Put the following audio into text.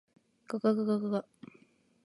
がががががが